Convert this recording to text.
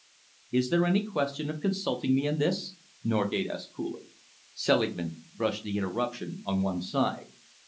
"Is there any question of consulting me in this?" Norgate asked coolly. Selingman brushed the interruption on one side.